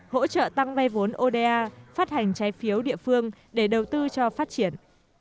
hỗ trợ tăng vay vốn oda phát hành trái phiếu địa phương để đầu tư cho phát triển